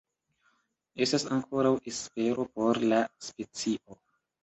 Estas ankoraŭ espero por la specio.